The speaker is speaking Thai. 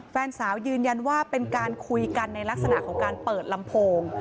แฟนสาวยืนยันว่าเป็นการคุยกันในลักษณะของการเปิดลำโพง